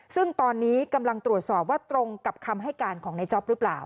ซึ่งตอนนี้กำลังตรวจสอบว่าตรงกับคำให้การของในจ๊อปหรือเปล่า